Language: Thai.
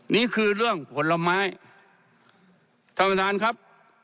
นี่คือเรื่องผลไม้ท่านประธานครับ